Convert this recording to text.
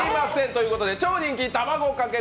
ということで超人気たまごかけ